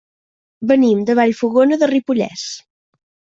Venim de Vallfogona de Ripollès.